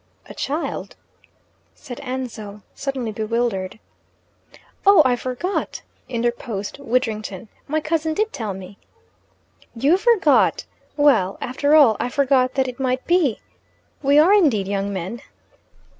"A child?" said Ansell, suddenly bewildered. "Oh, I forgot," interposed Widdrington. "My cousin did tell me." "You forgot! Well, after all, I forgot that it might be, We are indeed young men."